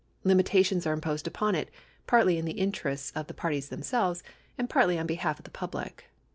Limitations are imposed upon it, partly in the interests of the parties themselves, and partly on behalf of the public.